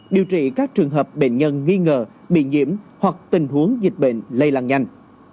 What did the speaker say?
để các trường hợp bệnh nhân nghi ngờ bị nhiễm hoặc tình huống dịch bệnh lây làng nhanh